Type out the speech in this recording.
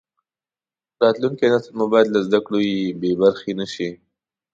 راتلونکی نسل مو باید له زده کړو بې برخې نشي.